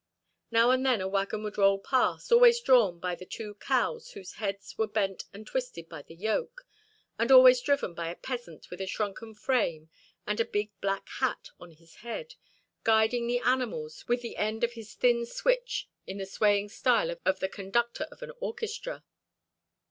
Now and then, a wagon would roll past, always drawn by the two cows whose heads were bent and twisted by the yoke, and always driven by a peasant with a shrunken frame and a big black hat on his head, guiding the animals with the end of his thin switch in the swaying style of the conductor of an orchestra.